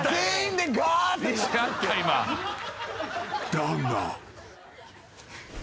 ［だが］